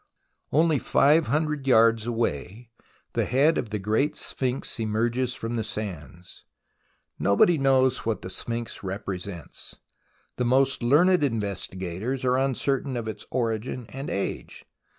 Only 500 yards away the head of the Great Sphinx emerges from the sands. Nobody knows what the Sphinx represents. The most learned investigators are uncertain of its origin and age.